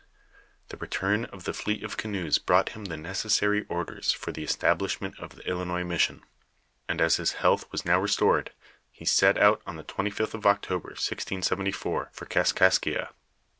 The return of the fleet of canoes brought him the necessary orders for the es tablishment of the Ilinois mission ; and as his health was now restored, he set out on the 25th of October, 1674, for Kaskas kia.